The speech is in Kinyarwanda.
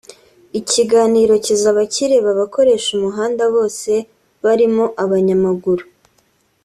Ikiganiro kizaba kireba abakoresha umuhanda bose barimo abanyamaguru